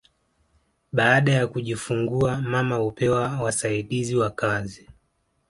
Baada ya kujifungua mama hupewa wasaidizi wa kazi